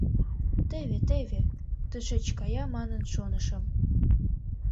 Теве-теве тышеч кая манын шонышым.